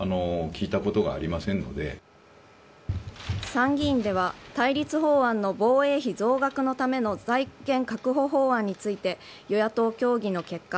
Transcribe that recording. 参議院では対立法案の防衛費総額のための財源確保法案について与野党協議の結果